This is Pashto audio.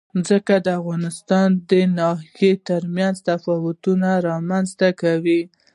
ځمکه د افغانستان د ناحیو ترمنځ تفاوتونه رامنځ ته کوي.